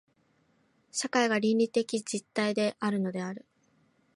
社会が倫理的実体であるのである。